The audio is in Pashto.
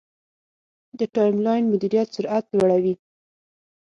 د ټایملاین مدیریت سرعت لوړوي.